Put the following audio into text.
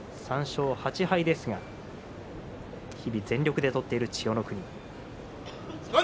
３勝８敗ですが日々、全力で取っている千代の国。